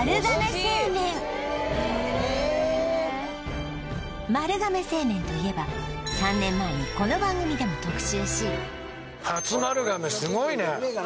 へえ丸亀製麺といえば３年前にこの番組でも特集しはい